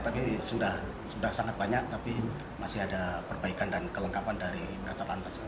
tapi sudah sangat banyak tapi masih ada perbaikan dan kelengkapan dari kasat lantas